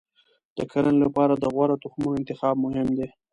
د کرنې لپاره د غوره تخمونو انتخاب مهم دی.